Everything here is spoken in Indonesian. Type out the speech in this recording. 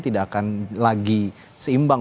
tidak akan lagi seimbang